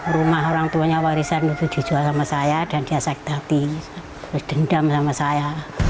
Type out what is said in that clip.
rumah orang tuanya warisan itu dijual sama saya dan dia sektati terus dendam sama saya